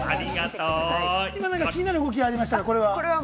今、気になる動きありましたが、これは？